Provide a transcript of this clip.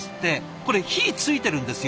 これ火ついてるんですよ